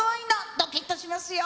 ドキッとしますよ？